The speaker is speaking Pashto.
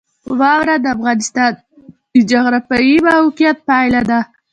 واوره د افغانستان د جغرافیایي موقیعت پایله ده.